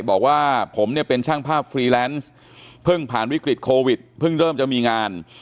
บอกว่าผมเนี่ยเป็นช่างภาพฟรีแลนซ์เพิ่งผ่านวิกฤตโควิดเพิ่งเริ่มจะมีงาน